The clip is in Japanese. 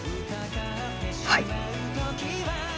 はい。